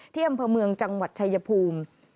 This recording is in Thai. ที่อำเภอเมืองจังหวัดชายภูมิ